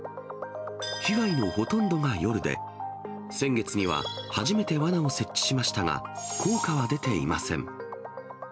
被害のほとんどが夜で、先月には初めてわなを設置しましたが、効果は出ていません。